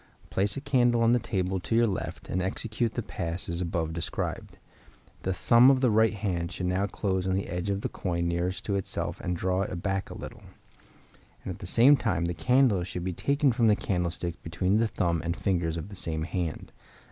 Place a candle on the table to your left, and then execute the pass as above described. The thumb of the right hand should now close on the edge of the coin nearest to itself and draw it back a little; and at the same time the candle should be taken from the candlestick between the thumb and fingers of the same hand.